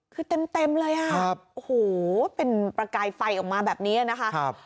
คือเต็มเลยอ่ะโอ้โหเป็นประกายไฟออกมาแบบนี้นะคะ